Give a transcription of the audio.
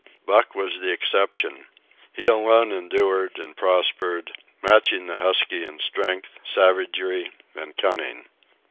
Buck was the exception. He alone endured and prospered, matching the husky in strength, savagery, and cunning.